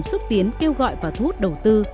xúc tiến kêu gọi và thu hút đầu tư